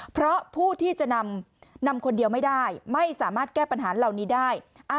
เพราะผู้ที่จะนำคนเดียวไม่ได้ไม่สามารถแก้ปัญหาเหล่านี้ได้